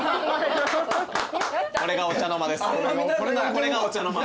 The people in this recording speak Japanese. これがお茶の間。